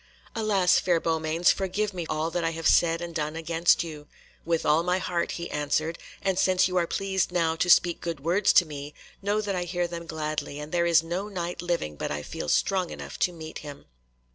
"Alas, fair Beaumains, forgive me all that I have said and done against you." "With all my heart," he answered, "and since you are pleased now to speak good words to me, know that I hear them gladly, and there is no Knight living but I feel strong enough to meet him."